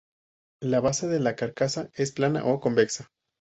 La base de la carcasa es plana o convexa.